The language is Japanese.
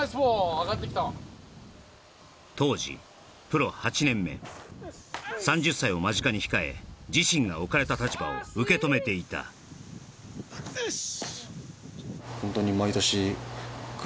上がってきた当時プロ８年目３０歳を間近に控え自身が置かれた立場を受け止めていたよしっ！